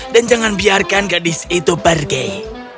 dan jangan biarkan gadis itu pergi